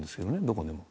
どこでも。